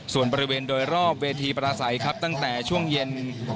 ส่วนบริเวณโดยรอบเวทีประสัยครับตั้งแต่ช่วงเย็น